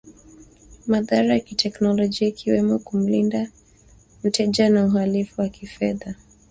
madhara ya kiteknolojia ikiwemo kumlinda mteja na uhalifu wa kifedha